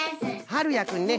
はるやくんね。